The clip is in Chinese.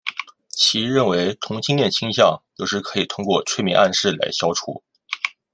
其认为同性恋倾向有时可以通过催眠暗示来消除。